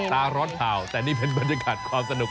ตาร้อนข่าวแต่นี่เป็นบรรยากาศความสนุก